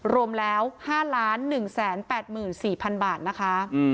รวมแล้ว๕๑๘๔๐๐๐บาทนะคะ